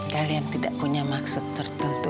kalian tidak punya maksud tertentu